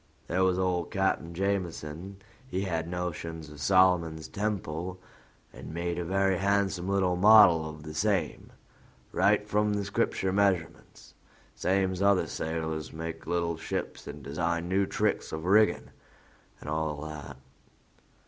There was old Cap'n Jameson: he had notions of Solomon's Temple, and made a very handsome little model of the same, right from the Scripture measurements, same's other sailors make little ships and design new tricks of rigging and all that.